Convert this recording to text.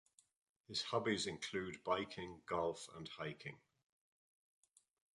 His hobbies include Biking, Golf and hiking.